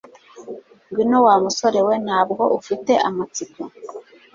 Ngwino Wa musore ntabwo ufite amatsiko